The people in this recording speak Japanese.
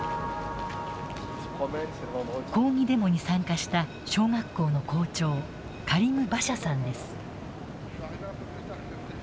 抗議デモに参加した小学校の校長カリム・バシャさんです。